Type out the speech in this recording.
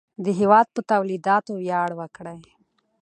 د هېواد په تولیداتو ویاړ وکړئ.